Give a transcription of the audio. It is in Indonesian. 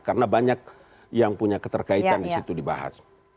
karena banyak yang punya keterkaitan di situ dibahas